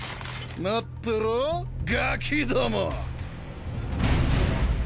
待ってろぉガキども！